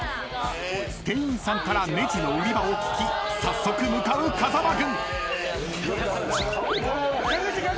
［店員さんからねじの売り場を聞き早速向かう風間軍］